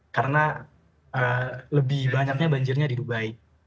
karena lebih banyaknya banjirnya di dubai